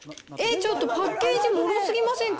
ちょっとパッケージもろすぎませんか。